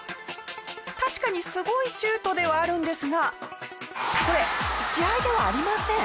確かにすごいシュートではあるんですがこれ試合ではありません。